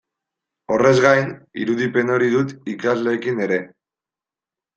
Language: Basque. Horrez gain, irudipen hori dut ikasleekin ere.